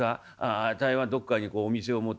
あたいはどっかにこうお店を持って」。